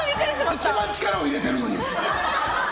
一番力を入れてるのに！